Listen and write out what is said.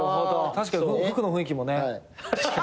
確かに服の雰囲気もね。